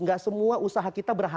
gak semua usaha kita berhasil